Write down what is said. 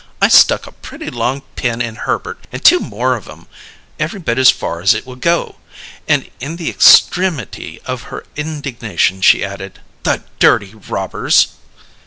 I stuck a pretty long pin in Herbert and two more of 'em, every bit as far as it would go." And in the extremity of her indignation, she added: "The dirty robbers!"